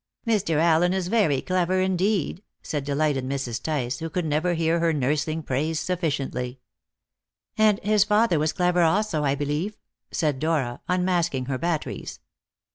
"Mr. Allen is very clever indeed," said delighted Mrs. Tice, who could never hear her nursling praised sufficiently. "And his father was clever also, I believe?" said Dora, unmasking her batteries.